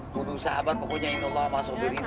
kudu sabar pokoknya inna allah mahasudirin lah